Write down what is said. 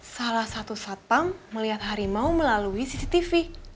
salah satu satpam melihat harimau melalui cctv